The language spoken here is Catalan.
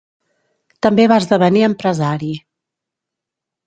També va esdevenir empresari.